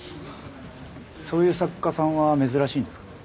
そういう作家さんは珍しいんですか？